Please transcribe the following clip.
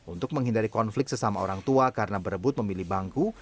untuk menghindari konflik sesama orang tua karena berebut memilih bangku